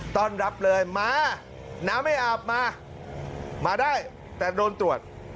ต้อนรับเลยมาน้ำไม่อาบมามาได้แต่โดนตรวจ